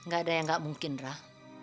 gak ada yang gak mungkin rah